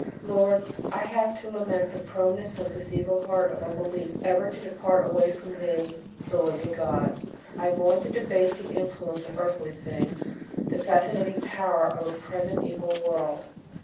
Lord, I have to lament the proneness of this evil heart of unbelief ever to depart away from Thee, the living God. I mourn the debasing influence of earthly things; the fascinating power of a present evil world.